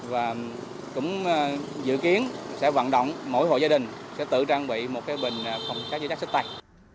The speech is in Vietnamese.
và cũng dự kiến sẽ vận động mỗi hộ gia đình sẽ tự trang bị một bình phòng cháy chữa cháy sách tay